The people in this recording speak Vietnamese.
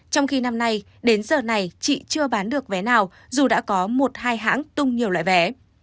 trong khi năm nay đến giờ này chị chưa bán được vé nào dù đã có một hai hãng tung nhiều loại vé